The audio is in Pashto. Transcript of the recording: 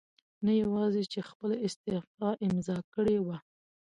نه یواځې چې خپله استعفاء امضا کړې وه